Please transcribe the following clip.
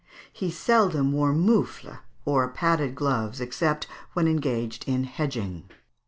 He seldom wore mouffles, or padded gloves, except when engaged in hedging.